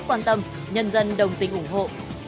các đồng chí quan tâm nhân dân đồng tính ủng hộ